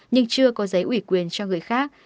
nhưng chưa có giấy ủy quyền cho người khác